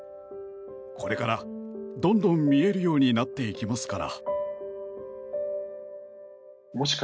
これからどんどん見えるようになっていきますから。